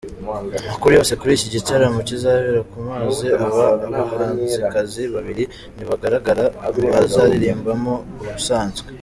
Amakuru yose kuri iki gitaramo kizabera ku mazi aba bahanzikazi babiri ntibagaragara mubazaririmbamo ubusanzwe.